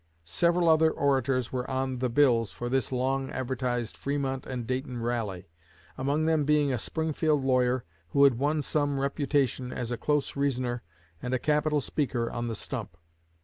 Several other orators were 'on the bills' for this long advertised 'Fremont and Dayton rally,' among them being a Springfield lawyer who had won some reputation as a close reasoner, and a capital speaker on the stump.